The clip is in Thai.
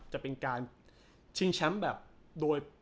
จะเป็นการชิงแชมป์แบบโดย